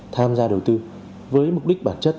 tham gia đầu tư với mục đích bản chất